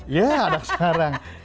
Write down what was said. iya anak sekarang